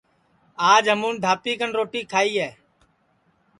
آج ہمون دھاپی کن روٹی کھائی ہے